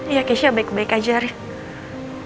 iya keisha baik baik aja rick